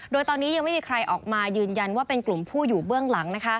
โดยตอนนี้ยังไม่มีใครออกมายืนยันว่าเป็นกลุ่มผู้อยู่เบื้องหลัง